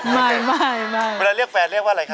ไม่ไม่เวลาเรียกแฟนเรียกว่าอะไรคะ